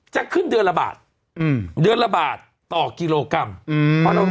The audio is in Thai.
จะขึ้นเดือนละบาทอืมเดือนละบาทต่อกิโลกรัมอืม